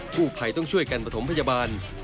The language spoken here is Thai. ผู้ภัยต้องช่วยกันประถมพยาบาล